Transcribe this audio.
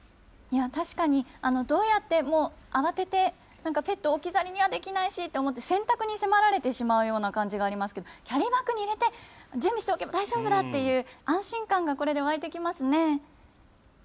確かに、どうやっても、慌てて、ペットを置き去りにはできないしと思って、選択に迫られてしまうような感じがありますけど、キャリーバッグに入れて準備しておけば大丈夫だっていう安心感がこれで湧いてきますね。